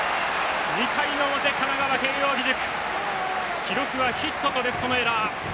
２回の表、神奈川・慶応義塾記録はヒットとレフトのエラー。